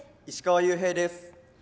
石川裕平です。